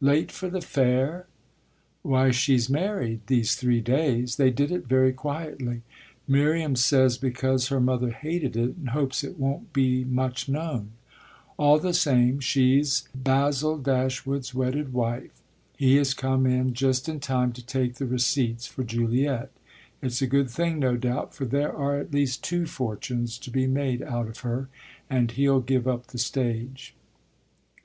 "Late for the fair?" "Why she's married these three days. They did it very quietly; Miriam says because her mother hated it and hopes it won't be much known! All the same she's Basil Dashwood's wedded wife he has come in just in time to take the receipts for Juliet. It's a good thing, no doubt, for there are at least two fortunes to be made out of her, and he'll give up the stage."